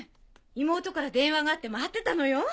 妹から電話があって待ってたのよ。